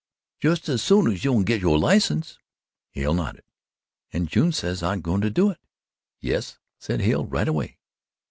"Just as soon as you can git yo' license?" Hale nodded. "An' June says I'm goin' to do it." "Yes," said Hale, "right away."